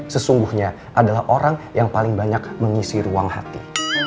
sesungguhnya adalah orang yang paling banyak mengisi ruang hati